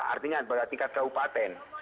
artinya tingkat keupaten